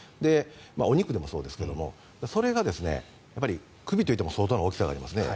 お肉でもそうですけどそれが首といっても相当な大きさがありますね。